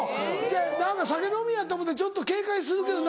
何か酒飲みやと思ってちょっと警戒するけどな